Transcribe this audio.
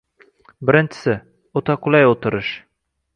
Birinchisi, o‘ta qulay o‘tirish.